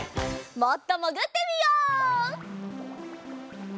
もっともぐってみよう！